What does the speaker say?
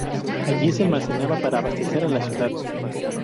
Allí se almacenaba para abastecer a la ciudad.